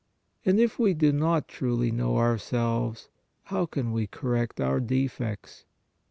And if we do not truly know ourselves, how can we correct our defects?